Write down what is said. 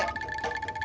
lu usah pulang